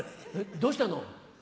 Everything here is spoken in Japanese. どうしたの？